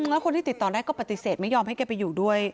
แล้วคนที่ติดต่อได้ก็ปฏิเสธไม่ยอมให้แกไปอยู่ด้วย